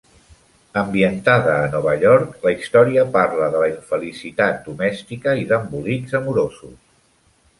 Ambientada a Nova York, la història parla de la infelicitat domèstica i d'embolics amorosos.